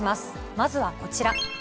まずはこちら。